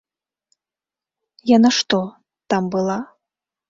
Яна што, там была?